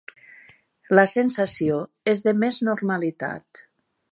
La sensació és de més normalitat.